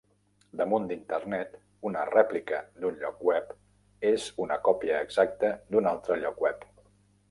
Damunt d'internet, una rèplica d'un lloc web és una còpia exacta d'un altre lloc web.